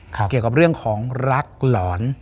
เกี่ยวกับเรื่องของรักหลอน